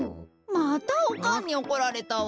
またおかんにおこられたわ。